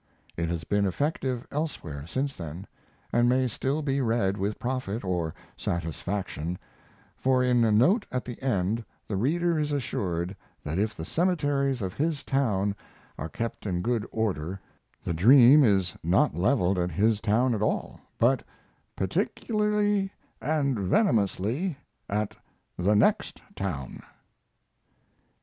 It has been effective elsewhere since then, and may still be read with profit or satisfaction for in a note at the end the reader is assured that if the cemeteries of his town are kept in good order the dream is not leveled at his town at all, but "particularly and venomously at the next town."